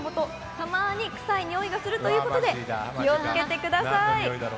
たまに臭いにおいがするということで気を付けてください。